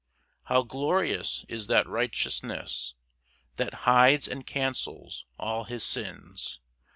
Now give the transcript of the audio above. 4 How glorious is that righteousness That hides and cancels all his sins!